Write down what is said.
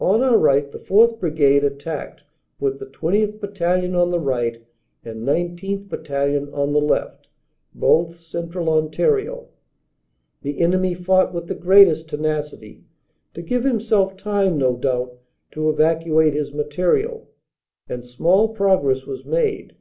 On our right the 4th. Brigade attacked with the 20th. Battalion on the right and 19th. Battalion on the left, both Central Ontario. The enemy fought with the greatest tenacity, to give himself time no doubt to evacuate his material, and small progress was made.